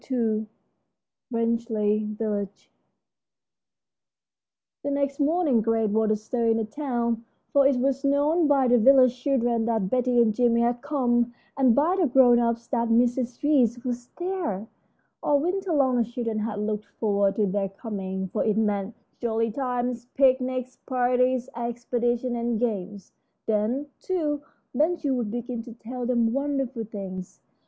II RANGELEY VILLAGE The next morning great was the stir in the town, for it was known by the village children that Betty and Jimmie had come, and by the grown ups that Mrs. Reece was there. All winter long the children had looked forward to their coming, for it meant jolly times: picnics, parties, expeditions, and games. Then, too, Ben Gile would begin to tell them wonderful things.